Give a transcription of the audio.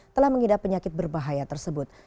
telah mengidap penyakit berbahaya tersebut